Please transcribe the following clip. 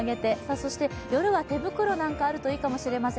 そして夜は手袋なんかあるといいかもしれません。